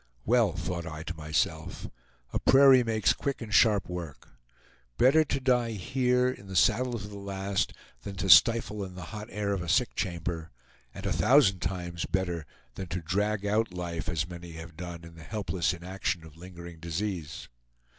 "Well," thought I to myself, "a prairie makes quick and sharp work. Better to die here, in the saddle to the last, than to stifle in the hot air of a sick chamber, and a thousand times better than to drag out life, as many have done, in the helpless inaction of lingering disease."